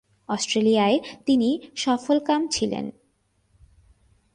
অস্ট্রেলিয়ায় তিনি সফলকাম ছিলেন।